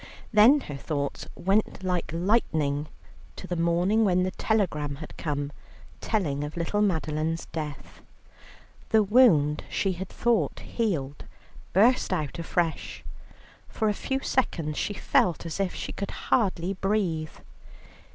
Then her thoughts went like lightning to the morning when the telegram had come telling of little Madeline's death. The wound she had thought healed burst out afresh; for a few seconds she felt as if she could hardly breathe.